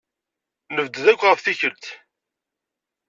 Nebded akk ɣef tikkelt.